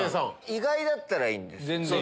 意外だったらいいんですよね？